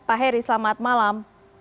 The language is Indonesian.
pak heri selamat malam